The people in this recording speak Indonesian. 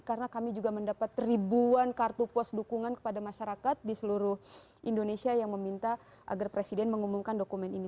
karena kami juga mendapat ribuan kartu pos dukungan kepada masyarakat di seluruh indonesia yang meminta agar presiden mengumumkan dokumen ini